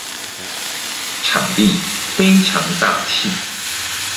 場地非常大氣